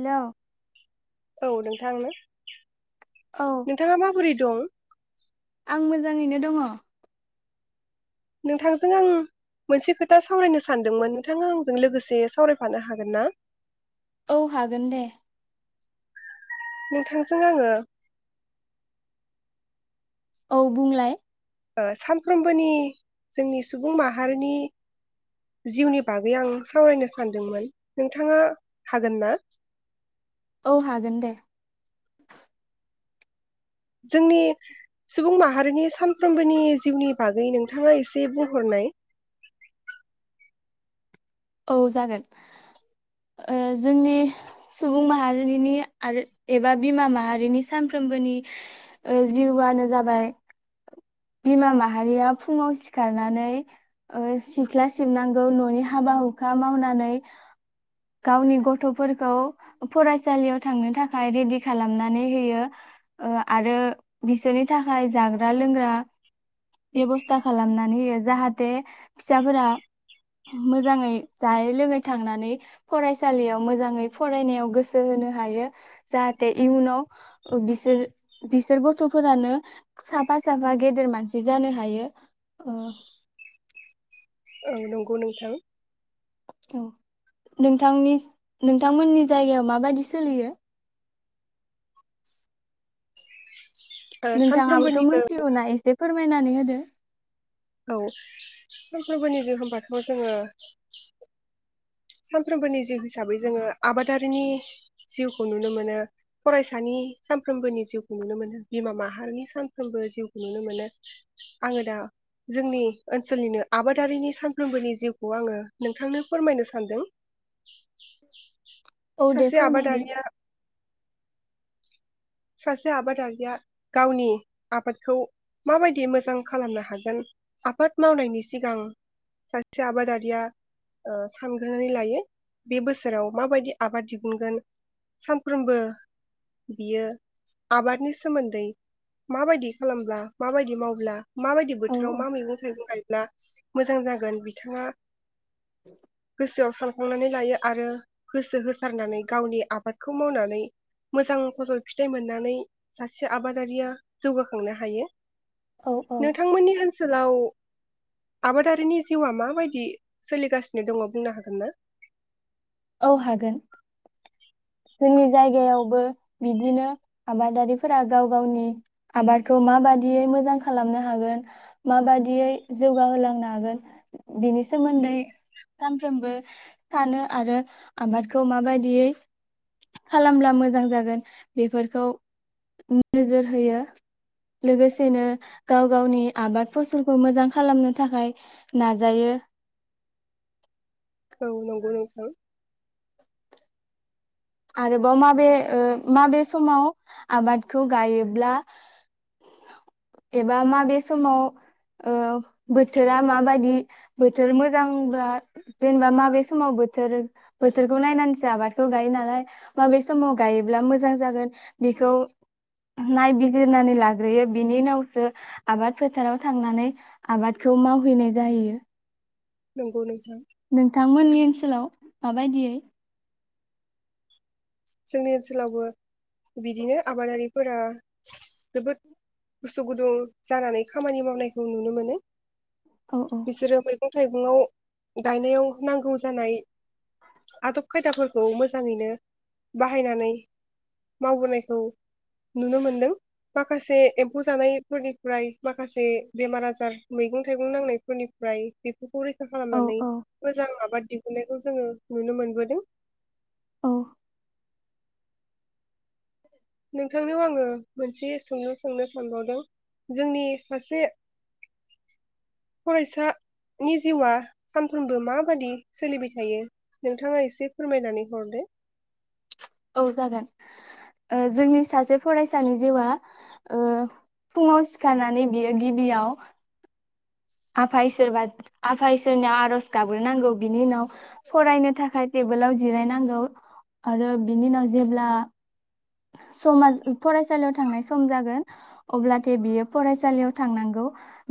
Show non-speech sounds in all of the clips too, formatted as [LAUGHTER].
Hello औ नोंथांनो औ नोंथाङा माबोरै दं? आं मोजाङैनो दङ। नोंथांजों आं मोनसे खोथा सावरायनो सानदोंमोन नोंथाङा आंजों लोगोसे सावरायफानो हागोन ना? औ हागोन दे। नोंथांजों आङो [INAUDIBLE] औ बुंलाय। ओ सानफ्रोमबोनि जोंनि सुबुं माहारिनि जिउनि बागै आं सावरायनो सानदोंमोन। नोंथाङा हागोन ना? औ हागोन दे। जोंनि सुबुं माहारिनि सानफ्रोमबोनि जिउनि बागै नोंथाङा एसे बुंहरनाय औ जागोन। ओ जोंनि सुबुं माहारिनि आरो एबा बिमा माहारिनि सानफ्रोमबोनि ओ जिउआनो जाबाय बिमा माहारिया फुङाव सिखारनानै ओ सिख्ला सिबनांगौ न'नि हाबा-हुखा मावनानै गावनि गथ'फोरखौ फरायसालियाव थांनो थाखाय रेडि खालामनानै होयो। ओ आरो बिसोरनि थाखाय जाग्रा लोंग्रा बेब'स्था खालामनानै होयो। जाहाथे फिसाफोरा मोजाङै जायै लोङै थांनानै फरायसालियाव मोजाङै फरायनायाव गोसो होनो हायो। जाहाथे इयुनाव ओ बिसोर बिसोर गथ'फोरानो साफा साफा गेदेर मानसि जानो हायो ओ औ नंगौ नोंथां। औ नोंथांनि नोंथांमोननि जायगायाव माबायदि सोलियो? ओ नोंथाङाबोथ' सानफ्रोमबोनिबो मिथिगौना एसे फोरमायनानै होदो। औ सामफ्रोबोनि जिउ होमबाथ' जोङो सानफ्रोमबोनि जिउ हिसाबै जोङो आबादारिनि जिउखौ नुनो मोनो, फरायसानि सानफ्रोमबोनि जिउखौ नुनो मोनो, बिमा माहारिनि सानफ्रोमबो जिउखौ नुनो मोनो, आङो दा जोंनि ओनसोलनिनो आबादारिनि सानफ्रोमबोनि जिउखौ आङो नोंथांनो फोरमायनो सा सानदों। औ दे सासे फोरमायदो आबादारिया सासे आबादारिया गावनि आबादखौ माबायदि मोजां खालामनो हागोन आबाद मावनायनि सिगां सासे आबादारिया ओ सानग्रोनानै लायो बे बोसोराव माबायदि आबाद दिहुनगोन सानफ्रोमबो बियो आबादनि सोमोन्दै माबायदि खालामब्ला माबायदि मावब्ला माबायदि औ बोथोराव मा मैगं थाइगं गायोब ब्ला मोजां जागोन बिथाङा गोसोआव सान साननानै लायो आरो होसो होसारनानै गावनि आबादखौ मावनानै मोजां फसल फिथाइ मोननानै सासे आबादारिया जौगाखांनो हायो। औ औ नोंथांमोननि ओनस सोलाव आबादारिनि जिउआ माबायदि सोलिगासिनो दङ बुंनो हागोन ना? औ हागोन जोंनि जायगायावबो बिदिनो आबादारिफोरा गाव गावनि आबादखौ माबादियै मोजां खालामनो हागोन माबादियै जौगाहोलांनो हागोन बिनि सोमोन्दै सानफ्रोमबो सानो आरो आबादखौ माबायदियै खालामब्ला मोजां जागोन बेफोरखौ नोजोर होयो लोगोसेनो गाव गावनि आबाद फसलखौ मोजां खालामनो थाखाय नाजायो। औ नंगौ नोंथां। आरोबाव माबे ओ माबे समाव आबादखौ गायोब्ला एबा माबे समाव ओ बोथोरा माबायदि बोथोर मोजांब्ला जेनेबा माबे समाव बोथोर बोथोरखौ नायनानैसो आबादखौ गायो नालाय माबे समाव गायोब्ला मोजां जागोन बेखौ नायबिजिरनानै लाग्रोयो बिनि उनावसो आबाद फोथाराव थांनानै आबादखौ मावहैनाय जाहैयो। नोंगौ नोंथ नोंथांमोननि ओनस ओनसोलाव माबायदियै जोंनि ओनसोलावबो बिदिनो आबादारिफोरा जोबोद गोसो गुदुं जानानै खामानि मावनायखौ नुनो मोनो, औ औ बिसोरो मैगं मैगं थाइगं गायनायाव नांगौ जानाय आदब खायदाफोरखौ मोजाङैनो, बाहायनानै मावबोनायखौ नुनो मोनदों माखासे एम्फौ जानायफोरनिफ्राय माखासे बेमार आज जार मैगं थाइगं नांनाय फोरनिफ्राय बिब फोरखौ रैखा औ खालामनानै औ मोजां आबाद दि नुनायखौ जोङो नुनो मोनबोदों, औ नोंथांनियाव आङो मोनसे सोंलु सोंनो सानबावदों जोंनि सासे फरायसा नि जिउआ सान फ्रोमबो माबादि सोलिबाय थायो नोंथाङा एसे फोरमायनानै हरदो। औ जागोन ओ जोंनि सासे फरायसानि जिउआ ओ फुङाव सिखारनानै बियो गिबियाव आफा इसोरबा आफा इसोरनियाव आर'ज गाबग्रोनांगौ बिनि उनाव फरायनो थाखाय टेबोलाव जिरायनांगौ आरो बिनि उनाव जेब्ला समा फरायसालियाव थांनाय सम जागोन अब्लाथाय बियो फरायसालियाव थांनांगौ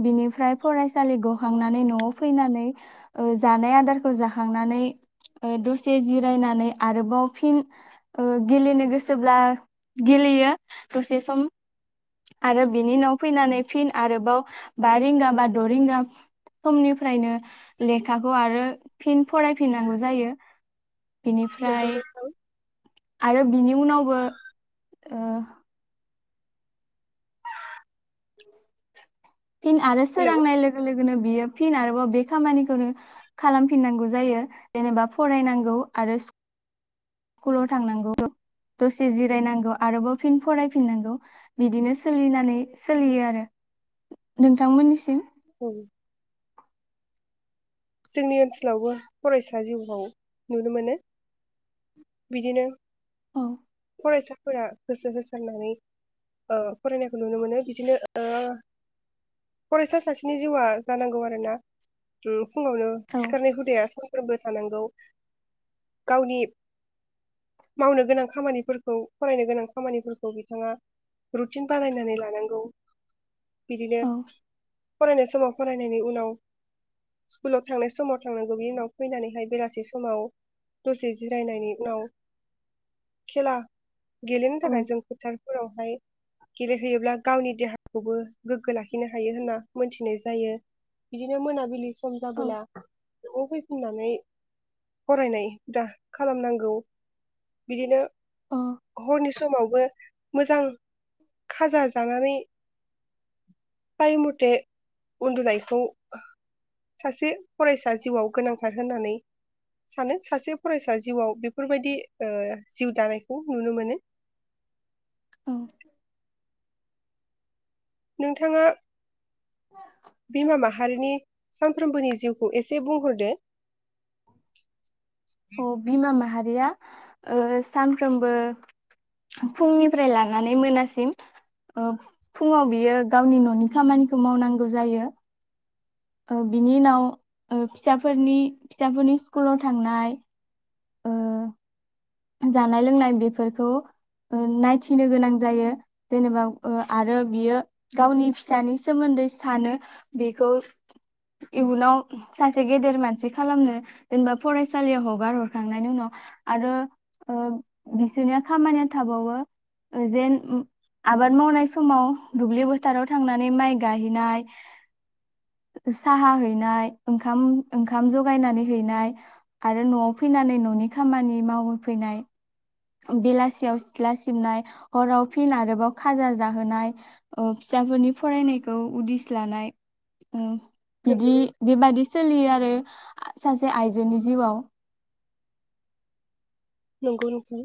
बिनिफ्राय फरायसालि गखांनानै न'आव फैनानै ओ जानाय आदारखौ जाखांनानै दसे जिरायनानै आरोबाव फिन ओ गेलेनो गोसो सोब्ला गेलेयो दसे सम आरो बिनि उनाव फैनानै फिन आरोबाव बा रिंगा बा द' रिंगा समनिफ्रायनो लेखाखौ आरो फिन फरायफिननांगौ जायो। नोंगौ बेनिफ्राय। नोंथां आरो बिनि उनावबो ओ फिन आरो हेलौ सोरांनाय लोगो लो गोनो बियो फिन आरोबाव बे खामानिखौनो खालामफिननांगौ जायो जेनेबा फरायनांगौ आरो सि कुलाव थांनांगौ दसे जिरायनांगौ आरोबाव फिन फरायफिननांगौ बिदिनो सोलिनानै सोलियो आरो नोंथांमोननिसिम उम। जोंनि ओनसोलावबो फरायसा जिउखौ नुनो मोनो बिदिनो औ। फरायसाफोरा गोसो होसारनानै ओ फरायनायखौ नुनो मोनो बिदिनो ओ फरायसा सासेनि जिउआ जानांगौ आरोना ओम फुङावनो औ सिखारनाय हुदाया फोरबो थानांगौ गावनि मावनो गोनां खामानि फोरखौ फरायनो गोनां खामानिफोरखौ बिथाङा रुटिन बानायनानै लानांगौ बिदिनो फरायनाय समाव फरायनायनि उनाव स्कुलाव थांनाय समाव थांनांगौ बिनि उनाव फैनानैहाय बेलासि समाव दसे जिरायनायनि उनाव खेला गेलेनो औ थाखाय औ जों फोथारफोराव हाय गेलेहैयोब्ला गावनि देहाखौबो गोग्गो लाखिनो हायो होनना मोनथिनाय जायो बिदिनो मोनाबिलि सम जाबोला न'आव फैफिननानै फरायनाय हुदा खालामनांगौ बिदिनो औ हरनि समावबो। मोजां खाजा जानानै फाय मथे उन्दुनायखौ सासे फरायसा जिउआव गोनांथार होननानै सानो सासे फरायसा जिउआव बेफोरबायदि जिउ दानायखौ नुनो मोनो। औ। नोंथाङा। [INAUDIBLE] बिमा माहारिनि सामफ्रोमबोनि जिउखौ एसे बुंहरदो अ बिमा माहा रिया ओ सानफ्रोमबो फुंनिफ्राय लानानै मोनासिम ओ फुङाव बियो गावनि न'नि खामानिखौ मावनांगौ जायो। ओ बिनि उनाव फिसाफोरनि फिसाफोरनि स्कुलाव थांनाय। ओ जानाय लोंनाय बेफोरखौ ओ नायथिनो गोनां जायो जेनेबा ओ आरो बियो गावनि फिसानि सोमोन्दै सानो बेखौ इयुनाव सासे गेदेर मानसि खालामनो जेनेबा फरायसालियाव हगार हरखांनायनि उनाव आरो। ओ बिसोरनिया खामानिया थाबावो जेन आबाद मावनाय समाव दुब्लि फोथोराव थांनानै माइ गाहैनाय साहा हैनाय ओंखाम ओंखाम जगायनानै हैनाय आरो न'आव फैनानै न'नि खामानि मावो फैनाय। बेलासियाव सिथ्ला सिबनाय हराव फिन आरोबाव खाजा जाहोनाय ओ फिसाफोरनि फरायनायखौ उदिस लानाय नंगौ बिदि नोंथां बेबायदि सोलियो आरो। सासे आइजोनि जिउआव नंगौ नोंथां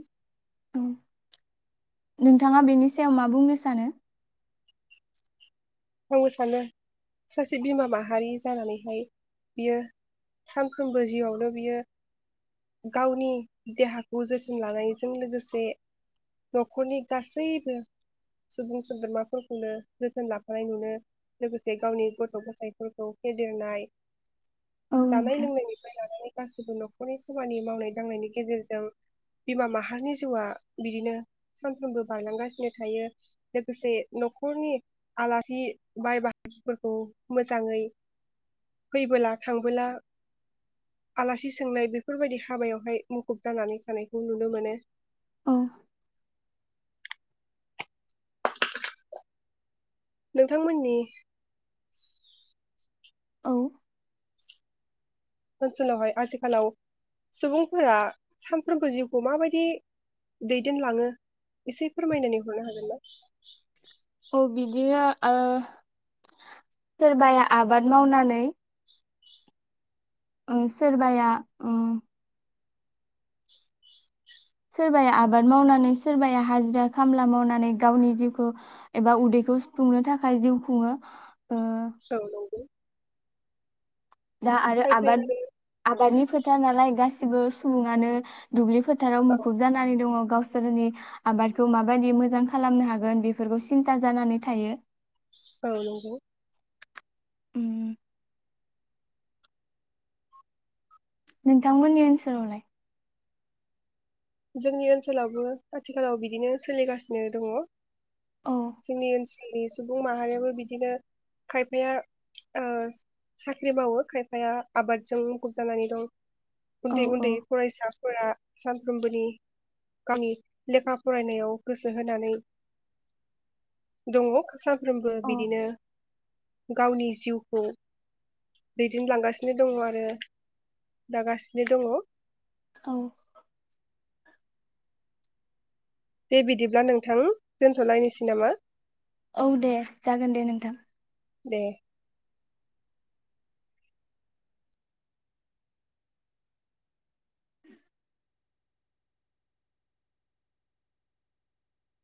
नोंथाङा बेनि सायाव मा बुंनो सानो? आंबो सानो सासे बिमा माहारि जानानैहाय बियो सानफ्रोमबो जिउआवनो बियो गावनि देहाखौ जोथोन लानायजों लोगोसे न'खरनि गासैबो सुबुं सोद्रोमाफोरखौनो जोथोन ला नाय नुनो लोगोसे गावनि गथ' गथायफोरखौ फेदेरनाय औ जानाय नोंथां लोंनायनिफाय लानानै गासिबो न'खरनि खामानि मावनाय दांनायनि गेजेरजों बिमा माहारिनि जिउआ बिदिनो सानफ्रोमबो बारलांगासिनो थायो लोगोसे न'खरनि आलासि बाय बाहागिफोरखौ मोजाङै फैबोला थांबोला आलासि सोंनाय बेफोरबायदि हाबायावहाय मुखुब जानानै थानायखौ नुनो मोनो औ नोंथांमोननि औ ओनसोलावहाय आथिखालाव सुबुंफोरा सानफ्रोमबो जिउखौ माबायदि दैदेनलाङो एसे फोरमायनानै हरनो हागोन ना? औ बिदिया ओ सोरबाया आबाद मावनानै ओ सोरबाया ओम सोरबाया आबाद मावनानै सोरबाया हाजिरा खामला मावनानै गावनि जिउखौ एबा उदैखौ सुफुंनो थाखाय जिउ खुङो औ नंगौ दा आरो खायफाया आबाद आबादनि फोथार नालाय गासिबो सिबो सुबुङानो दुब्लिफो थाराव आरो औ मुखुब जानानै दङ। गावसोरनि आबादखौ माबायदि मोजां खालामनो हागोन बेफोरखौ सिन्था जानानै थायो। औ नंगौ उम नोंथांमोननि ओनसोलावलाय जोंनि ओनसोलावबो आथिखालाव बिदिनो सोलिगासिनो दङ। औ जोंनि ओनस नि सुबुं माहारियाबो बिदिनो खायफाया ओ साख्रि मावो खायफाया आबादजों मुखुब जानानै दं। औ उन्दै औ उन्दै फरायसा [UNINTELLIGIBLE] सानफ्रोमबोनि गावनि लेखा फरायनायाव गोसो होनानै दङ' साफ्रोमबो औ बिदिनो गावनि जिउखौ दैदेनलांगासिनो दङ' आरो दागासिनो दङ' औ दे बिदिब्ला नोंथां दोनथ'लायनोसै नामा औ दे जागोन दे नोंथां दे